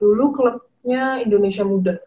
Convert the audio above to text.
dulu klubnya indonesia muda